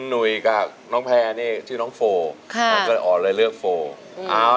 ถ้าแต่งงานนี่มันจะหายไหมเนาะ